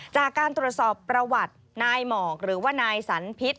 จากการตรวจสอบประวัตินายหมอกหรือว่านายสันพิษ